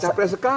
saya tidak setuju